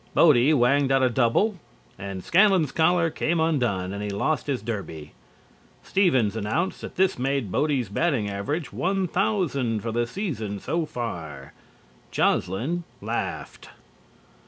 Bodie whanged out a double and Scanlon's collar came undone and he lost his derby. Stevens announced that this made Bodie's batting average 1000 for the season so far. Joslin laughed.